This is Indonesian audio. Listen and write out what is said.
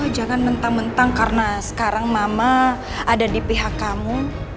jangan mentang mentang karena sekarang mama ada di pihak kamu